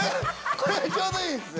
これがちょうどいいんすよ